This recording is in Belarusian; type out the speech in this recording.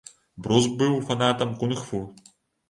Брус быў фанатам кунг-фу.